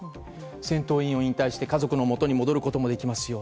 戦闘員を引退して家族の元に戻ることもできますよ。